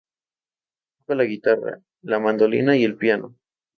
Toca la guitarra, la mandolina y el piano.